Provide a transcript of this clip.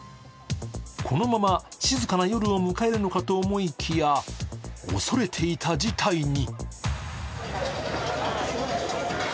このまま静かな夜を迎えるのかと思いきや、恐れていた事態に。